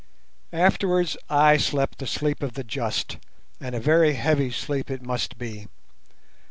Afterwards I slept the sleep of the just, and a very heavy sleep it must be.